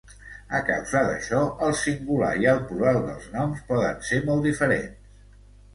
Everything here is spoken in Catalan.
A causa d'això, el singular i el plural dels noms poden ser molt diferents.